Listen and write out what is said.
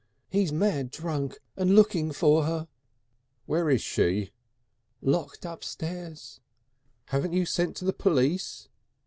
"He's he's mad drunk and looking for her." "Where is she?" "Locked upstairs." "Haven't you sent to the police?"